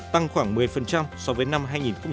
tăng khoảng một mươi so với năm hai nghìn một mươi bảy